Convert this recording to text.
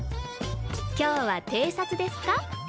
今日は偵察ですか？